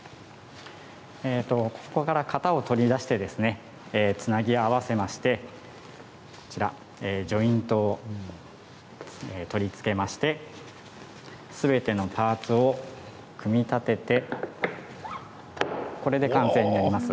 ここから型を取り出してつなぎ合わせましてジョイントを取り付けましてすべてのパーツを組み立ててこれで完成になります。